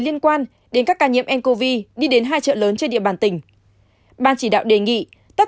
liên quan đến các ca nhiễm ncov đi đến hai chợ lớn trên địa bàn tỉnh ban chỉ đạo đề nghị tất